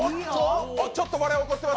ちょっと笑い起こってます。